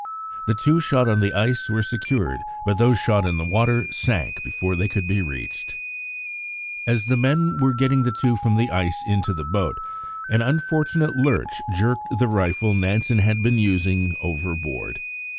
The two shot on the ice were secured, but those shot in the water sank before they could be reached. As the men were getting the two from the ice into the boat, an unfortunate lurch jerked the rifle Nansen had been using overboard.